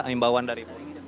amin bawahan dari pupr